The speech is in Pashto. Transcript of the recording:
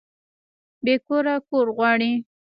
بې کوره کور غواړي